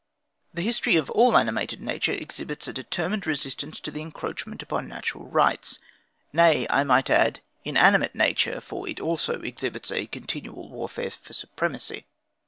The history of all animated nature exhibits a determined resistance to encroachments upon natural rights, nay, I might add, inanimate nature, for it also exhibits a continual warfare for supremacy.